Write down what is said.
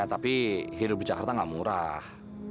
tapi hidup di jakarta gak murah